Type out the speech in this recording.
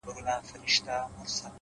يه پر ما گرانه ته مي مه هېروه-